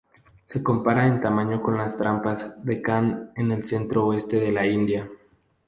Se compara en tamaño con las trampas Deccan en el centro-oeste de la India.